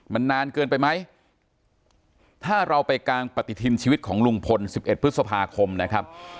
มันนานเกินไปไหมถ้าเราไปกางปฏิทินชีวิตของลุงพล๑๑พฤษภาคมนะครับ